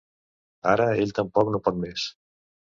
Ara ell tampoc no pot més.